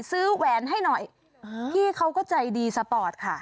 แหวนให้หน่อยพี่เขาก็ใจดีสปอร์ตค่ะ